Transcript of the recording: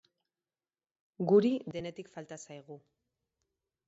Guri denetik falta zaigu.